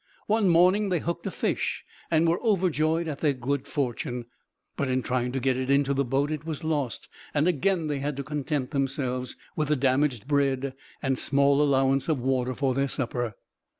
One morning they hooked a fish, and were overjoyed at their good fortune; but in trying to get it into the boat it was lost, and again they had to content themselves with the damaged bread and small allowance of water for their supper.